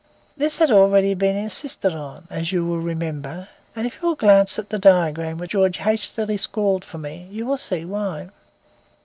This has already been insisted on, as you will remember, and if you will glance at the diagram which George hastily scrawled for me, you will see why.